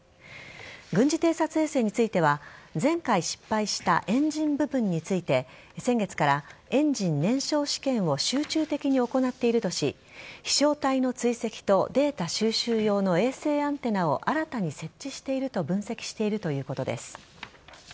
軍事偵察衛星については前回失敗したエンジン部分について先月からエンジン燃焼試験を集中的に行っているとし飛翔体の追跡とデータ収集用の衛星アンテナを新たに設置していると分析しているということです。